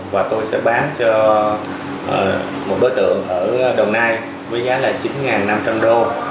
và tôi sẽ bán cho một đối tượng ở đồng nai với giá là chín năm trăm linh đô